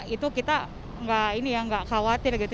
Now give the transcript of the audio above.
itu kita enggak khawatir gitu